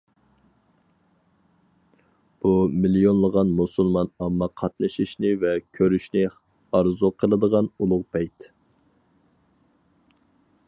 بۇ مىليونلىغان مۇسۇلمان ئامما قاتنىشىشنى ۋە كۆرۈشنى ئارزۇ قىلىدىغان ئۇلۇغ پەيت.